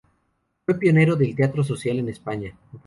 Fue pionero del teatro social en España.